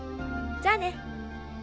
じゃあね。